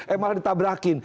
eh malah ditabrakin